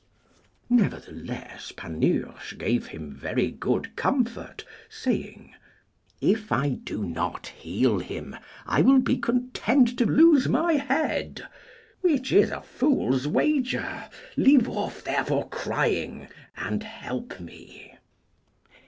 Nevertheless Panurge gave him very good comfort, saying, If I do not heal him, I will be content to lose my head, which is a fool's wager. Leave off, therefore, crying, and help me.